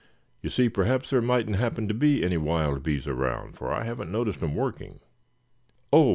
You see, perhaps there mightn't happen to be any wild bees around, for I haven't noticed 'em working." "Oh!